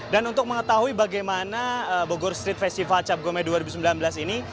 dan untuk mengetahui bagaimana bogor street festival cap gomeh dua ribu sembilan belas ini